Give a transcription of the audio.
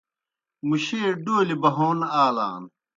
مُشے ڈولیْ بہون آلان۔